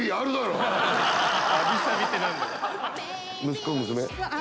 息子？娘？